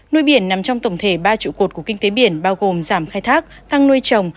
nuôi biển nằm trong tổng thể ba trụ cột của kinh tế biển bao gồm giảm khai thác tăng nuôi trồng